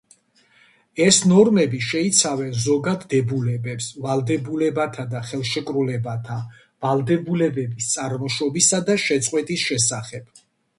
ეს ნორმები შეიცავენ ზოგად დებულებებს ვალდებულებათა და ხელშეკრულებათა, ვალდებულების წარმოშობისა და შეწყვეტის შესახებ.